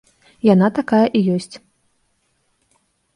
Яна такая і ёсць.